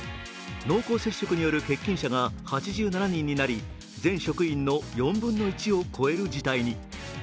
濃厚接触による欠勤者が８７人になり全職員の４分の１を超える事態に。